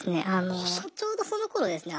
ちょうどそのころですね